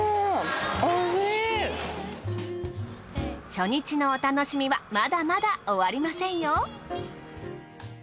初日のお楽しみはまだまだ終わりませんよ。